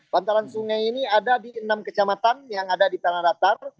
bantaran sungai ini ada di enam kecamatan yang ada di tanah datar